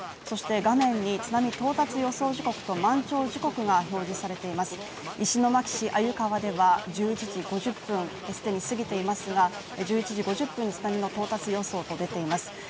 そして画面に津波到達予想時刻と満潮時刻が表示されています石巻市鮎川では１０時５０分既に過ぎていますが１１時５０分津波の到達予想と出ています。